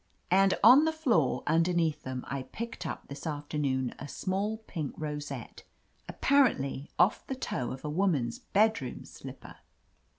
And— on the floor un derneath them I picked up this afternoon a small pink rosette, apparently off the toe of a woman's bedroom slipper."